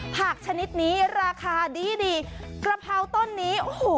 ผักชนิดนี้ราคาดีดีกะเพราต้นนี้โอ้โห